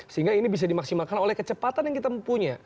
sehingga ini bisa dimaksimalkan oleh kecepatan yang kita mempunyai